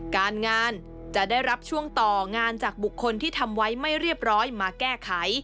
การงานจะได้รับช่วงต่องานจากบุคคลที่ทำไว้ไม่เรียบร้อยมาแก้ไข